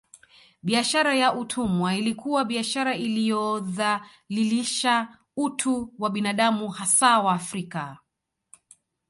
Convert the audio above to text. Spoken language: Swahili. Biashara ya utumwa ilikuwa biashara iliyodhalilisha utu wa binadamu hasa Waafrika